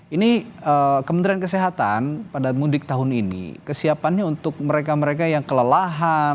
ini kementerian kesehatan pada mudik tahun ini kesiapannya untuk mereka mereka yang kelelahan